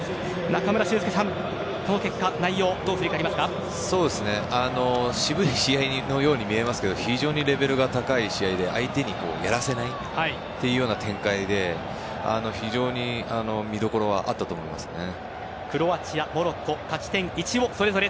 中村俊輔さん、この結果、内容を渋い試合のように見えますけど非常にレベルの高い試合で相手にやらせないっていうような展開で非常に見どころはあったと思いますね。